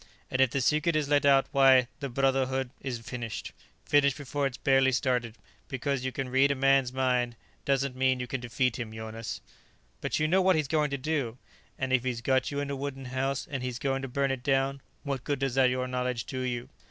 "And if the secret is let out why, the Brotherhood is finished. Finished before it's barely started. Because you can read a man's mind doesn't mean you can defeat him, Jonas." "But you know what he's going to do " "And if he's got you in a wooden house and he's going to burn it down, what good does your knowledge do you?"